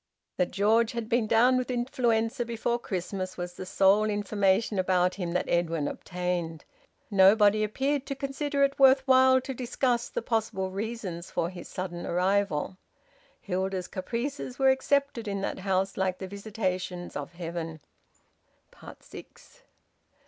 That George had been down with influenza before Christmas was the sole information about him that Edwin obtained. Nobody appeared to consider it worth while to discuss the possible reasons for his sudden arrival. Hilda's caprices were accepted in that house like the visitations of heaven. SIX.